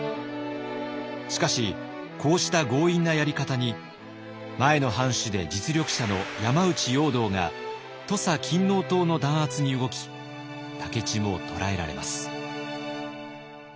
しかしこうした強引なやり方に前の藩主で実力者の山内容堂が土佐勤王党の弾圧に動き武市も捕らえられます。